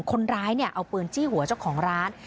คนร้ายเอาเปลืองจี้หัวเจ้าของร้าน